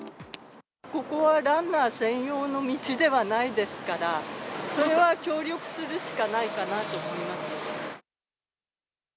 ここはランナー専用の道ではないですから、それは協力するしかないかなと思います。